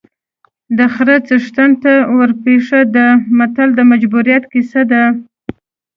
د خره څښتن ته ورپېښه ده متل د مجبوریت کیسه ده